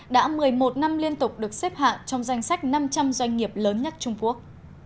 đã một mươi một năm liên tục được xếp hạng trong danh sách năm trăm linh doanh nghiệp lớn nhất trung quốc